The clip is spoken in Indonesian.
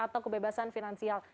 atau kebebasan finansial